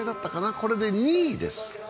これで２位です。